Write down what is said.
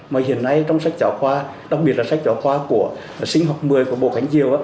mà hiện nay trong sách giáo khoa đặc biệt là sách giáo khoa của sinh học một mươi của bộ khánh diều